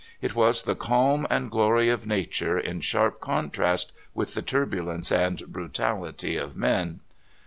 It was the calm and glory of nature in sharp contrast with the turbulence and brutality of men.